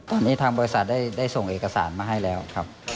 ตอนนี้ทางบริษัทได้ส่งเอกสารมาให้แล้วครับ